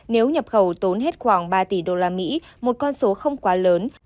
nếu nhập khẩu tốn hết khoảng ba tỷ usd một con số không quá lớn